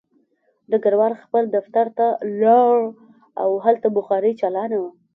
ډګروال خپل دفتر ته لاړ او هلته بخاري چالان وه